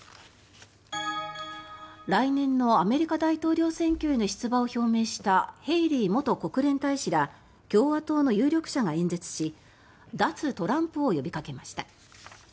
来年のアメリカ大統領選挙への出馬を表明したヘイリー元国連大使ら共和党の有力者が演説し脱トランプを呼びかけました。